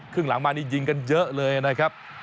ครึ่งหลังมานี่ยิงกันเยอะเลยนะครับ